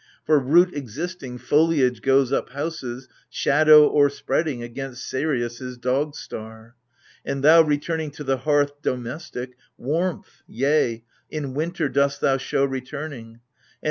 For, root existing, foliage goes up houses Shadow o'erspreading against Seirios dog star ; And, thou returning to the hearth domestic, Warmth, yea, in winter dost thou show returning.